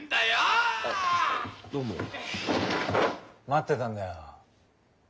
待ってたんだよ。